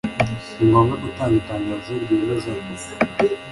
Ni ngombwa gutanga itangazo ryemezako